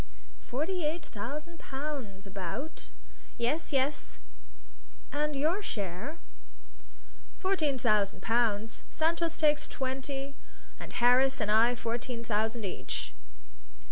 "Forty eight thousand pounds, about?" "Yes yes." "And your share?" "Fourteen thousand pounds. Santos takes twenty, and Harris and I fourteen thousand each."